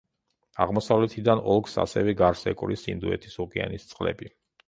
აღმოსავლეთიდან ოლქს ასევე გარს ეკვრის ინდოეთის ოკეანის წყლები.